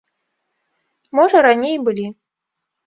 Можа, раней і былі.